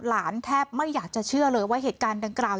แทบไม่อยากจะเชื่อเลยว่าเหตุการณ์ดังกล่าว